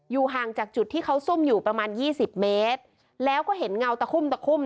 ห่างจากจุดที่เขาซุ่มอยู่ประมาณยี่สิบเมตรแล้วก็เห็นเงาตะคุ่มตะคุ่ม